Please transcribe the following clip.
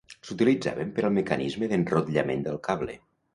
S'utilitzaven per al mecanisme d'enrotllament del cable.